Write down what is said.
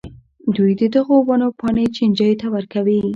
دوی د دغو ونو پاڼې چینجیو ته ورکوي.